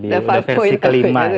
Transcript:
udah versi kelima